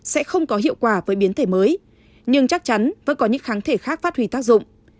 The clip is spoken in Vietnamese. sẽ không có hiệu quả với biến thể mới nhưng chắc chắn vẫn có những kháng thể khác phát huy tác dụng